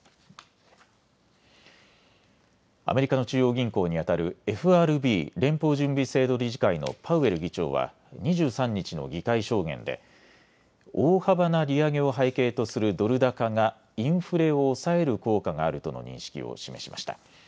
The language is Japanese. アメリカの中央銀行にあたるＦＲＢ・連邦準備制度理事会のパウエル議長は２３日の議会証言で大幅な利上げを背景とするドル高がインフレを抑える効果があるとの認識を示しました。